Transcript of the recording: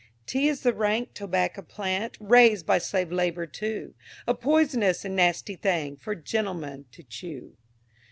T is the rank Tobacco plant, Raised by slave labor too: A poisonous and nasty thing, For gentlemen to chew.